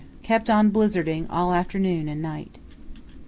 —Kept on blizzarding all afternoon and night.